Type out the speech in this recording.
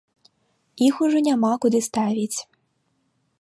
Іх ужо няма куды ставіць.